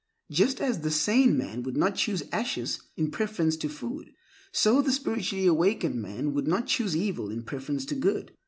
Just as the sane man would not choose ashes in preference to food, so the spiritually awakened man would not choose evil in preference to good.